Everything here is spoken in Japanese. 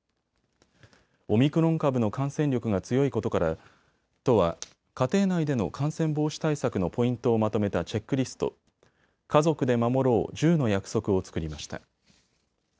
オミクロン株の感染力が強いことから都は家庭内での感染防止対策のポイントをまとめたチェックリスト、家族で守ろう１０の約束を作りました。